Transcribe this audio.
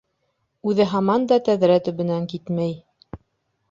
Үҙе һаман да тәҙрә төбөнән китмәй.